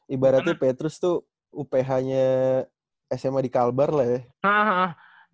ibaratnya petrus tuh uph nya sma di kalbar lah ya